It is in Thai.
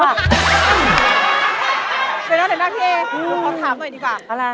ไปแล้วเดี๋ยวพี่เอ